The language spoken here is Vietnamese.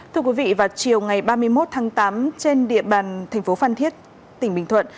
thưa quý vị vào chiều ngày ba mươi một tháng tám trên địa bàn thành phố phan thiết tỉnh bình thuận